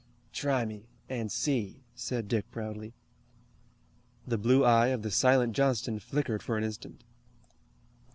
"Try me, and see," said Dick proudly. The blue eye of the silent Johnston flickered for an instant.